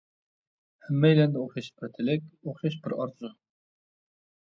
ھەممەيلەندە ئوخشاش بىر تىلەك، ئوخشاش بىر ئارزۇ.